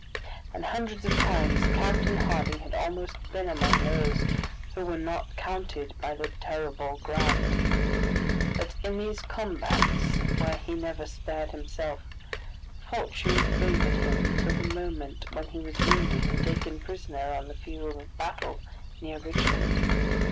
And hundreds of times Captain Harding had almost been among those who were not counted by the terrible Grant; but in these combats where he never spared himself, fortune favored him till the moment when he was wounded and taken prisoner on the field of battle near Richmond.